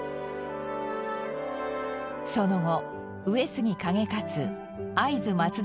その後上杉景勝会津松平